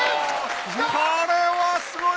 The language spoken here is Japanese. これはすごい！